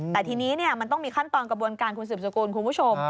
แต่ทีนี้มันต้องมีขั้นตอนกระบวนการคุณสืบสกุลคุณผู้ชม